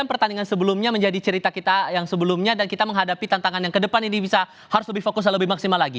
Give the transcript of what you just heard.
jadi pertandingan sebelumnya menjadi cerita kita yang sebelumnya dan kita menghadapi tantangan yang kedepan ini bisa harus lebih fokus dan lebih maksimal lagi